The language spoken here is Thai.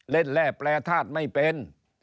แร่แปรธาตุไม่เป็น